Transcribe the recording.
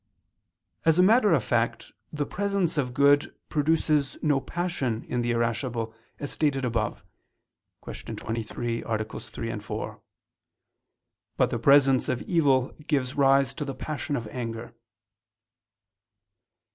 As a matter of fact, the presence of good produces no passion in the irascible, as stated above (Q. 23, AA. 3, 4); but the presence of evil gives rise to the passion of anger.